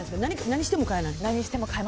何しても買えない？